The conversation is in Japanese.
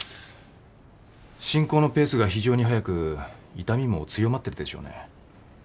進行のペースが非常にはやく痛みも強まってるでしょうね。